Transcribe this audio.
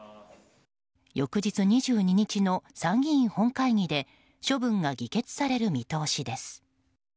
翌日２２日の参議院本会議で処分が議決される見通しです。